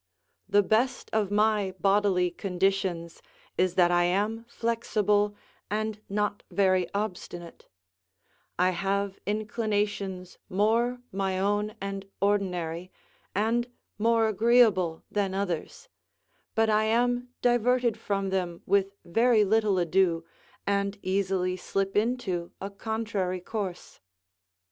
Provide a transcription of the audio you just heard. The best of my bodily conditions is that I am flexible and not very obstinate: I have inclinations more my own and ordinary, and more agreeable than others; but I am diverted from them with very little ado, and easily slip into a contrary course.